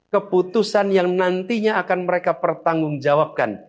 keputusan yang nantinya akan mereka pertanggungjawabkan